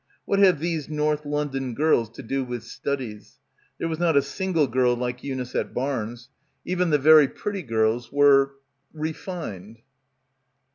"What have these North London girls to do with studies?" ... There was not a single girl like Eunice at Barnes. Even the very pretty girls were ... refined.